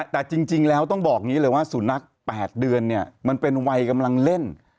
แต่จริงแล้วต้องบอกอย่างนี้เลยว่าสุนัข๘เดือนเนี่ยมันเป็นวัยกำลังเล่น